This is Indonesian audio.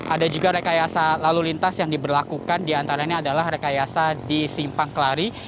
ada juga rekayasa lalu lintas yang diberlakukan diantaranya adalah rekayasa di simpang kelari